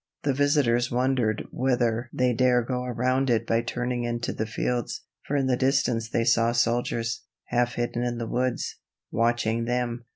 The visitors wondered whether they dare go around it by turning into the fields, for in the distance they saw soldiers, half hidden in the woods, watching them.